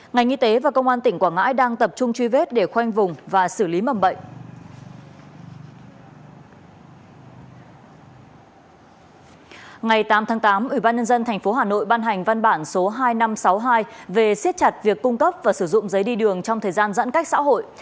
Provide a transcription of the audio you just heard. ngày tám tháng tám ubnd tp hà nội ban hành văn bản số hai nghìn năm trăm sáu mươi hai về siết chặt việc cung cấp và sử dụng giấy đi đường trong thời gian giãn cách xã hội